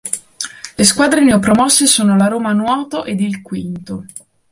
Le squadre neopromosse sono la Roma Nuoto ed il Quinto.